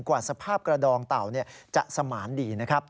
กว่าสภาพกระดองเต่าจะสมานดีนะครับ